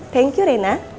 thank you rena